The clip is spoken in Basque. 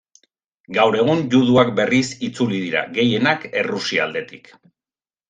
Gaur egun juduak berriz itzuli dira, gehienak Errusia aldetik.